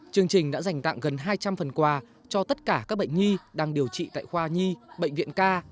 chương trình đã dành tặng gần hai trăm linh phần quà cho tất cả các bệnh nhi đang điều trị tại khoa nhi bệnh viện ca